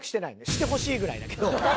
してほしいぐらいだけど。